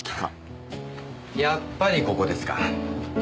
やっぱりここですか。